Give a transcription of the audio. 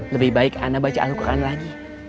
lebih baik ana baca al quran lagi